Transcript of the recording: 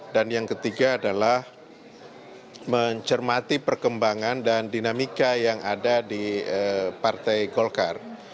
dan yang ketiga adalah mencermati perkembangan dan dinamika yang ada di partai golkar